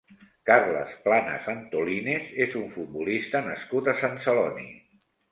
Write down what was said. Carles Planas Antolínez és un futbolista nascut a Sant Celoni.